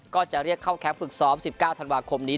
ก็จะเรียกเข้าแคมป์ฝึกซ้อม๑๙ธันวาคมนี้